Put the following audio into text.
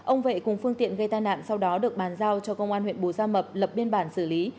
ông vệ cùng phương tiện gây tai nạn sau đó được bàn giao cho công an huyện bù gia mập lập biên bản xử lý